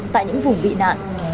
tại những vùng bị nạn